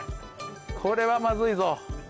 これはまずいぞ。